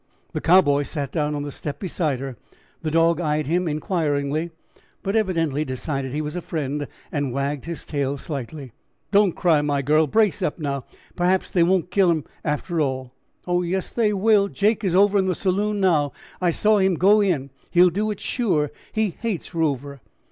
The Cowboy sat down on the step beside her; the dog eyed him inquiringly, but evidently decided he was a friend and wagged his tail slightly. "Don't cry, my girl; brace up, now; perhaps they won't kill him after all." "Oh, yes, they will. Jake is over in the saloon now; I saw him go in. He'll do it sure; he hates Rover."